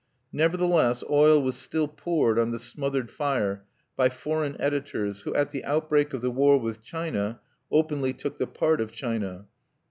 Nevertheless oil was still poured on the smothered fire by foreign editors, who at the outbreak of the war with China openly took the part of China.